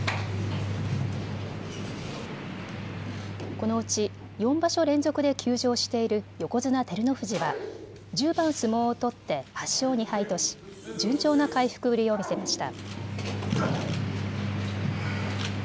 このうち４場所連続で休場している横綱・照ノ富士は１０番相撲を取って８勝２敗とし順調な回復ぶりを見せました。